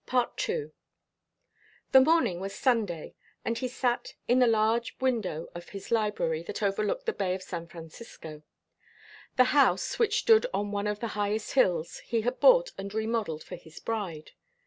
II The morning was Sunday and he sat in the large window of his library that overlooked the Bay of San Francisco. The house, which stood on one of the highest hills, he had bought and remodeled for his bride.